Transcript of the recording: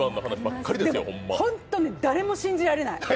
で本当に誰も信じられない。